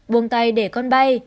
buông tay để con bay